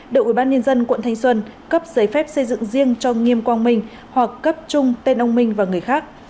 đội ubnd quận thanh xuân cấp giấy phép xây dựng riêng cho nghiêm quang minh hoặc cấp trung tên ông minh và người khác